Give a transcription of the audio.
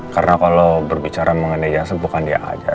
karena kalau berbicara mengenai jasa bukan dia aja